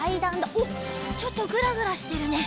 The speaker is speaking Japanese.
おっちょっとぐらぐらしてるね。